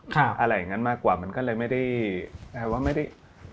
อะไรอย่างนั้นมากกว่ามันก็เลยไม่ได้แปลว่าไม่ได้